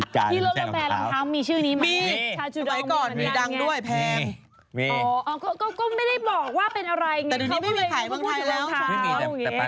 คือสายรถรองเท้า